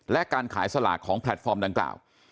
และการขายสลากของแพลตฟอร์มดังกล่าว